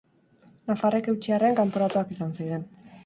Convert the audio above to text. Nafarrek eutsi arren, kanporatuak izan ziren.